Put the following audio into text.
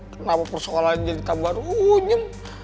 kenapa persoalan ini jadi tambah runyam